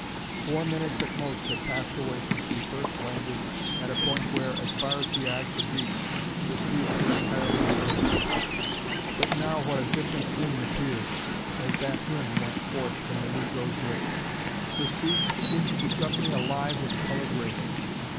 Four minutes at most had passed away since we first landed at a point where, as far as the eye could reach, the streets were entirely deserted; but now what a different scene appeared as that hymn went forth from the negroes' lips! The streets seemed to be suddenly alive with the colored race.